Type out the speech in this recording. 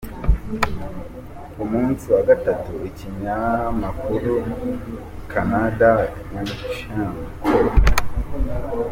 Ku musi wa gatatu ikinyamakuru ca Canard Enchaine ko:.